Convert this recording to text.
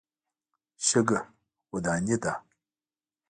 شګه وداني ده.